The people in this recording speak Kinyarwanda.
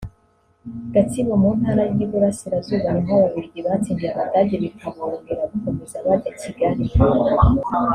Gatsibo (mu Ntara y’Iburasirazuba) ni ho Ababiligi batsindiye Abadage bikaborohera gukomeza bajya Kigali